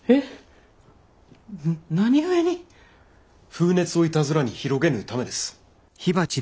風熱をいたずらに広げぬためです。